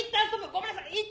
ごめんなさい